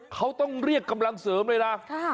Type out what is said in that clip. เขาต้องเรียกกำลังเสริมเลยนะ